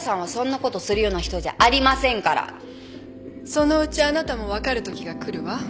そのうちあなたも分かるときが来るわ。